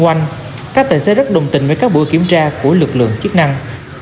quanh các tài xế rất đồng tình với các buổi kiểm tra của lực lượng chức năng